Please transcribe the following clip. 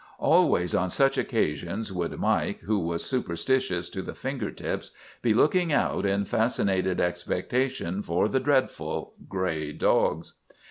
"Always on such occasions would Mike, who was superstitious to the finger tips, be looking out in fascinated expectation for the dreadful 'Gray Dogs.